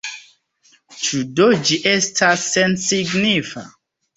Ĉu do ĝi estas sensignifa?